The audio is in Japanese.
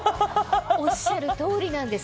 おっしゃる通りなんです。